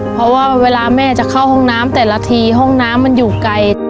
เพราะว่าเวลาแม่จะเข้าห้องน้ำแต่ละทีห้องน้ำมันอยู่ไกล